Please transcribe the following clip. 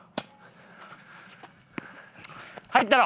入ったやろ？